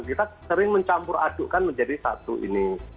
kita sering mencampur adukkan menjadi satu ini